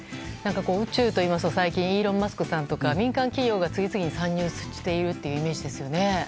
宇宙といいますと最近、イーロン・マスクさんとか民間企業が次々に参入しているというイメージですよね。